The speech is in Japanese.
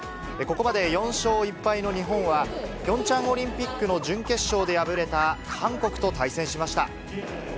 ここまで４勝１敗の日本は、ピョンチャンオリンピックの準決勝で敗れた韓国と対戦しました。